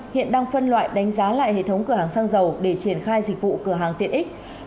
hiện đang phân loại đánh giá lại hệ thống cửa hàng xăng dầu để triển khai dịch vụ cửa hàng tiện ích